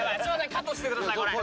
カットしてください